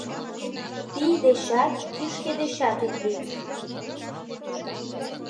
— Пий дечат, кишке дечат ит лӱд.